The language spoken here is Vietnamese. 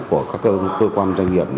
của các cơ quan doanh nghiệp